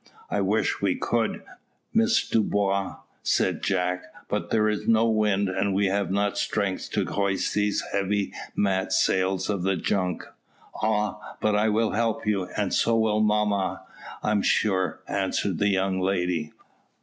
"I wish we could, Miss Dubois," said Jack; "but there is no wind, and we have not strength to hoist these heavy mat sails of the junk." "Ah! but I will help you, and so will mamma, I am sure," answered the young lady.